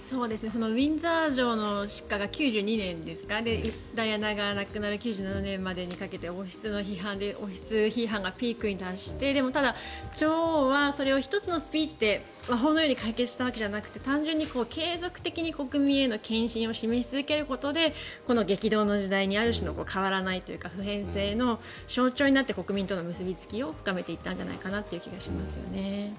ウィンザー城の失火が９２年ですかダイアナが亡くなる９７年までにかけて王室批判がピークに達してただ、女王はそれを１つのスピーチで魔法のように解決したわけじゃなくて継続的に国民への献身を示し続けることでこの激動の時代にある種の変わらないというか普遍性の象徴になって国民との結びつきを深めていったんじゃないかという気がしますね。